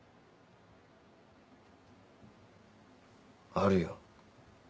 あるよ。